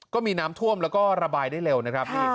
ก็มีน้ำท่วมแล้วก็ระบายได้เร็วนะครับ